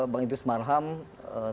bang itus malham sangat gentle ya